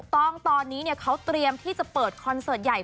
ต้องตอนนี้เขาเตรียมที่จะเปิดคอนเสิร์ตใหญ่